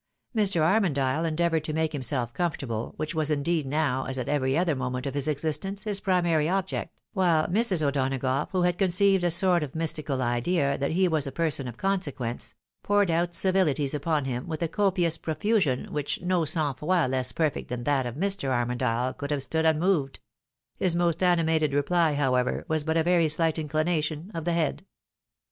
Mr. Armondyle endeavoured to make him self comfortable, which was indeed now, as at every other moment of his existence, his primary object; while Mrs. O'Donagough, who had conceived a sort of mystical idea that he was a person of consequence, poured out civilities upon him with a copious profusion which no sangfroid less' perfect than' that of Mr. Aimondyle could have stood unmoved — ^his most animated reply, however, was but a very shght inclination of the head.